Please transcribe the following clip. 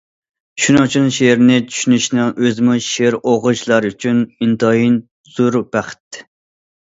شۇنىڭ ئۈچۈن شېئىرنى چۈشىنىشنىڭ ئۆزىمۇ شېئىر ئوقۇغۇچىلار ئۈچۈن ئىنتايىن زور بەخت.